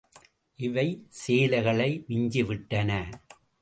இவை சேலைகளை விஞ்சிவிட்டன.